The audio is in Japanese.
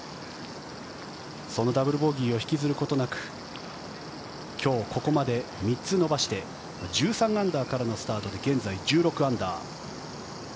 そのダブルボギーを引きずることなく今日ここまで３つ伸ばして１３アンダーからのスタートで現在１６アンダー。